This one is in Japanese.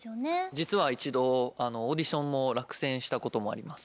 実は一度オーディションも落選したこともあります。